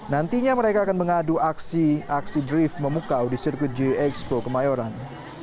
nantinya mereka akan mengadu aksi aksi drift memukau di sirkut gx pro kemayoran